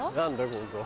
ここは。